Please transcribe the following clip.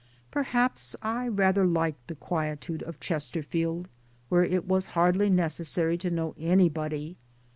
Perhaps I rather liked the quietude of Chester field where it was hardly necessary to know any body.